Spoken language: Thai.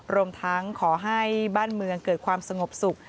รวมทั้งขอให้บ้านเมืองเกิดความสงบสุข